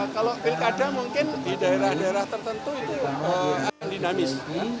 kalau pilkada mungkin di daerah daerah tertentu itu akan dinamis